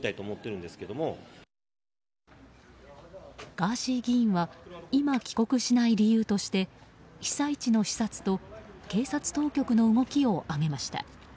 ガーシー議員は今、帰国しない理由として被災地の視察と警察当局の動きを挙げました。